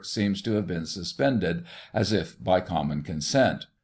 [1838 seemed to have been suspended, as if by common consent.